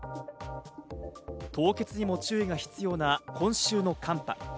凍結にも注意が必要な今週の寒波。